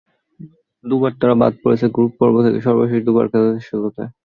দুবার তারা বাদ পড়েছে গ্রুপ পর্ব থেকে, সর্বশেষ দুবার শেষ ষোলোতে।